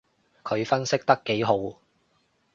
佢分析得幾號